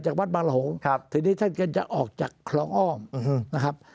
วัดบางหลงครับทีนี้ท่านก็จะออกจากคลองอ้อมนะครับ